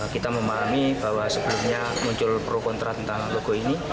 kita memahami bahwa sebelumnya muncul pro kontra tentang logo ini